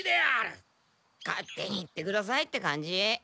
勝手に行ってくださいって感じ。